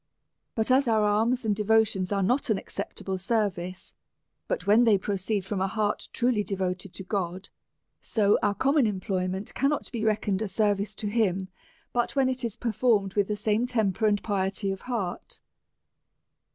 But as our alms and devotions are not an acceptable service but when they proceed from a heart truly de voted to God, so our common employment cannot be reckoned a service to him, but when it is performed with the same temper and piety of heart.